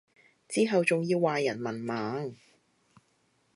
之後仲要話人文盲